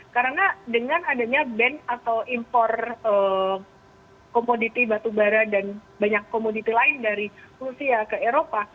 karena dengan adanya ban atau impor komoditi batubara dan banyak komoditi lain dari rusia ke eropa